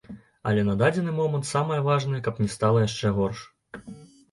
Але на дадзены момант самае важнае, каб не стала яшчэ горш.